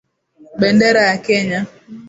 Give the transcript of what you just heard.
Bendera ya Kenya.